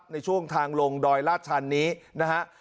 ในช่วงทางลงดอยลาดชันนี้นะฮะ